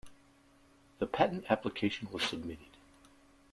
The patent application was submitted.